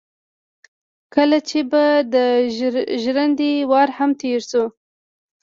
کله چې به د ژرندې وار هم تېر شو.